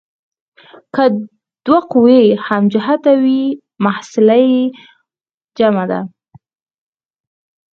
که دوه قوې هم جهته وي محصله یې جمع ده.